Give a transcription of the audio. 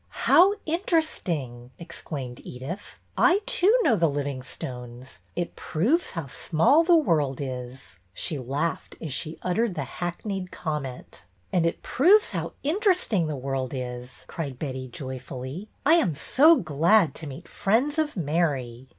''How interesting!" exclaimed Edyth. " T, too, know the Livingstones. It proves how small the world is." She laughed as she uttered the hackneyed comment. " And it proves how interesting the world is," cried Betty, joyfully. " I am so glad to meet friends of Mary."